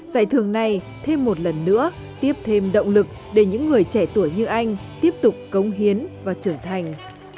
giải thưởng này thêm một lần nữa tiếp thêm động lực để những người trẻ tuổi như anh tiếp tục cống hiến và trưởng thành